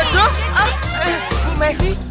waduh bu messi